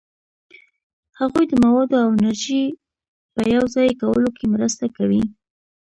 هغوی د موادو او انرژي په یوځای کولو کې مرسته کوي.